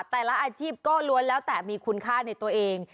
อาชีพก็ล้วนแล้วแต่มีคุณค่าในตัวเอง